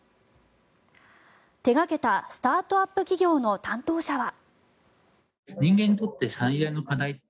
手掛けたスタートアップ企業の担当者は。